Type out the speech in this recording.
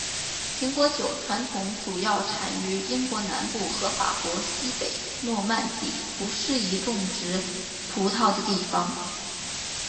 苹果酒传统主要产于英国南部和法国西北诺曼底不适宜种植葡萄的地方。